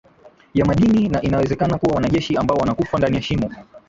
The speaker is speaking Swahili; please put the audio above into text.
ya madini na inawezekana kuna wanajeshi ambao wanakufa ndani ya shimo